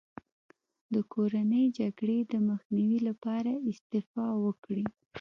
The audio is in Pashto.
د کورنۍ جګړې د مخنیوي لپاره استعفا وکړي.